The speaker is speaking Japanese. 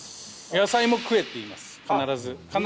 野菜も食えって言います。